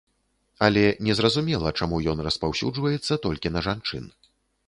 Але незразумела, чаму ён распаўсюджваецца толькі на жанчын.